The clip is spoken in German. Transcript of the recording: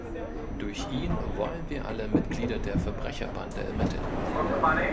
Durch ihn wollen wir alle Mitglieder der Verbrecherbande ermitteln.